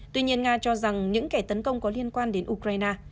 tuy nhiên nga cho rằng những kẻ tấn công có liên quan đến ukraine